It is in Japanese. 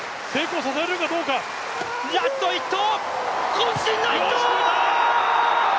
こん身の一投！